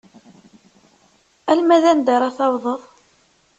Alma d anda ara tawḍeḍ?